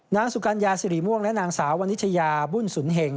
นางสุกัญญาสิริม่วงและนางสาววันนิชยาบุญสุนเห็ง